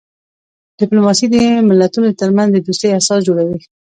ډیپلوماسي د ملتونو ترمنځ د دوستۍ اساس جوړوي.